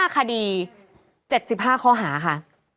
๕คดี๗๕ข้อหาค่ะ